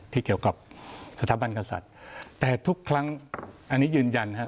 ที่เกี่ยวกับสถาบันกษัตริย์แต่ทุกครั้งอันนี้ยืนยันฮะ